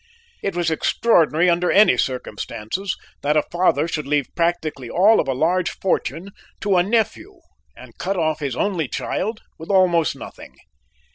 It was extraordinary under any circumstances that a father should leave practically all of a large fortune to a nephew and cut off his only child with almost nothing.